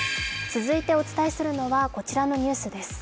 続いてお伝えするのはこちらのニュースです。